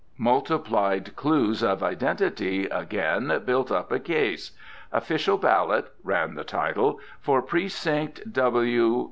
Multiplied clues of identity, again, built up a case: "Official Ballot" (ran the title) "for Precinct W.